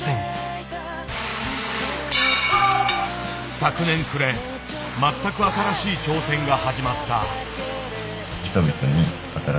昨年暮れ全く新しい挑戦が始まった。